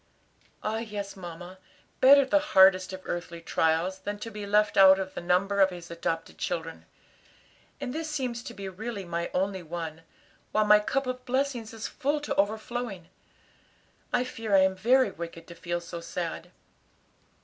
"Ah, yes, mamma; better the hardest of earthly trials, than to be left out of the number of his adopted children. And this seems to be really my only one, while my cup of blessings is full to overflowing. I fear I am very wicked to feel so sad."